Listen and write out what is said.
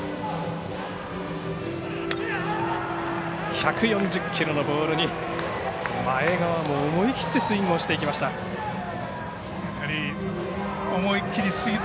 １４０キロのボールに前川も思い切ってスイングをしていきました。